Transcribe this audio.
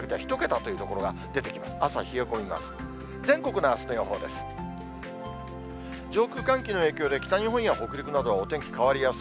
全国のあすの予報です。